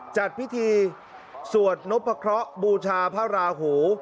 จัดพิธีสวดนพะเคราะห์บูชาพระราหู